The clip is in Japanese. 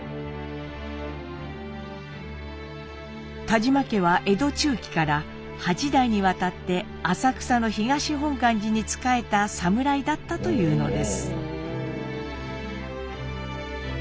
田嶋家は江戸中期から８代にわたって浅草の東本願寺に仕えた侍だったというのです。